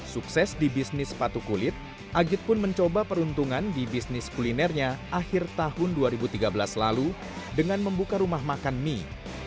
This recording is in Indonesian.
sukses di bisnis sepatu kulit agit pun mencoba peruntungan di bisnis kulinernya akhir tahun dua ribu tiga belas lalu dengan membuka rumah makan mie